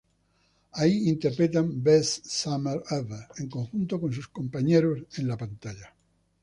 Ahí interpretan "Best summer ever" en conjunto con sus compañeros en la pantalla.